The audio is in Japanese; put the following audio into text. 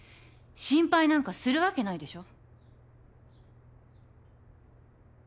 心配なんかするわけないでしょ。